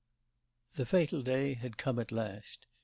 The fatal day had come at last.